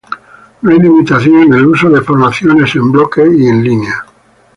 No hay limitación en el uso de formaciones en Bloque y en Línea.